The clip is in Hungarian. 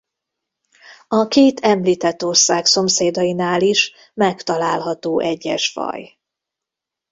A két említett ország szomszédainál is megtalálható egyes faj.